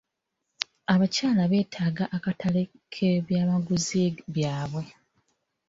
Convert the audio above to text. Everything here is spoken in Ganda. Abakyala beetaaga akatale k'ebyamaguzi byabwe.